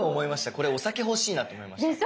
これお酒欲しいなって思いました。